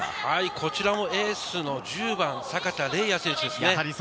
こちらもエースの１０番・阪田澪哉選手です。